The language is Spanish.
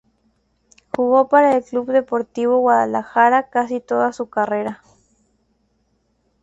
Jugó para el Club Deportivo Guadalajara casi toda su carrera.